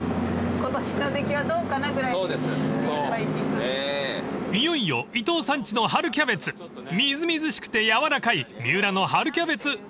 ［いよいよ伊藤さんちの春キャベツみずみずしくて柔らかい三浦の春キャベツ楽しみです］